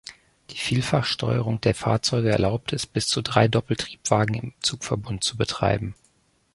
Die Vielfachsteuerung der Fahrzeuge erlaubt es, bis zu drei Doppeltriebwagen im Zugverband zu betreiben.